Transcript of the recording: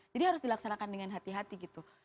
jadi harus dilaksanakan dengan hati hati gitu